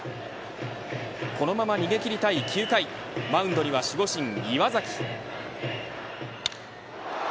このまま逃げ切りたい９回マウンドには守護神、岩崎。